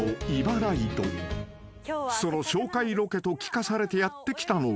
［その紹介ロケと聞かされてやって来たのは］